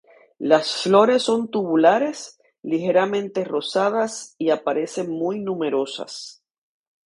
Las flores son tubulares, ligeramente rosadas y aparecen muy numerosas.